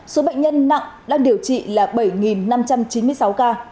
số bệnh nhân nặng đang điều trị là bảy năm trăm chín mươi sáu ca